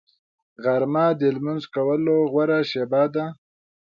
غرمه د لمونځ کولو غوره شېبه ده